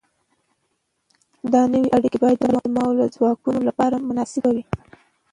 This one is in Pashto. دا نوې اړیکې باید د مؤلده ځواکونو لپاره مناسبې وي.